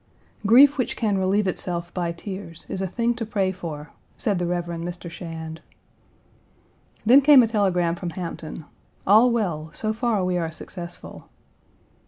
"Grief which can relieve itself by tears is a thing to pray for," said the Rev. Mr. Shand. Then came a telegram from Hampton, "All well; so far we are successful."